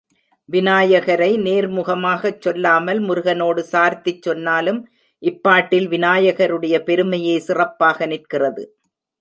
விநாயகரை நேர்முகமாகச் சொல்லாமல் முருகனோடு சார்த்திச் சொன்னாலும் இப்பாட்டில் விநாயகருடைய பெருமையே சிறப்பாக நிற்கிறது.